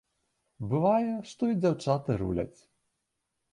Бывае, што і дзяўчаты руляць.